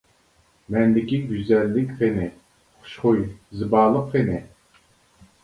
مەندىكى گۈزەللىك قىنى، خۇشخۇي، زىبالىق قىنى؟ !